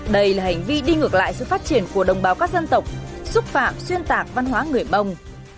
đây là hành vi đi ngược lại sự phát triển của đồng bào các dân tộc xúc phạm xuyên tạc văn hóa người mông